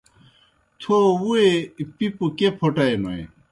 تھو وویئے پِپوْ کیْہ پھوٹائینوئے۔